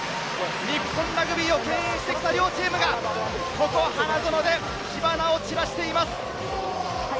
日本ラグビーをけん引してきた両チームが、花園で火花を散らしています！